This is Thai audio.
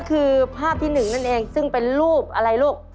คือภาพที่หนึ่งนั่นเองซึ่งเป็นรูปอะไรลูก